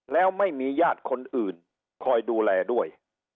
แล้วไม่มีญาติคนอื่นคอยดูแลด้วย